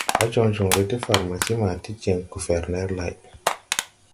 Á jɔŋ jɔŋre ti farmasi ma ti jeŋ goferner lay.